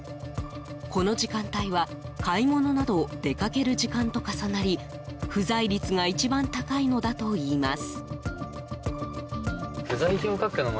この時間帯は買い物など出かける時間と重なり不在率が一番高いのだといいます。